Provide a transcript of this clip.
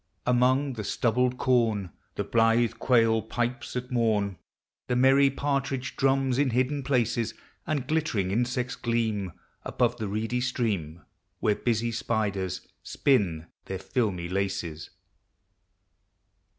Among the stubbled corn The blithe quail pipes at morn. The merry partridge drains in hidden places. And glittering insects gleam Above the reedy stream, Where busy spiders spin their filmy laces.